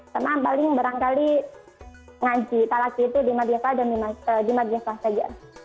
karena paling barangkali ngaji talaki itu di masjid al azhar dan di masjid al azhar saja